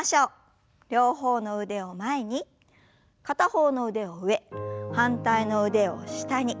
両方の腕を前に片方の腕は上反対の腕を下に。